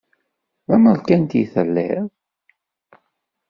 D amerkanti i telliḍ?